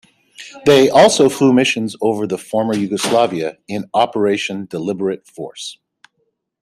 They also flew missions over the former Yugoslavia in Operation Deliberate Force.